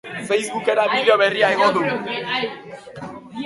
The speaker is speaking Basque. Facebook-era bideo berria igo du.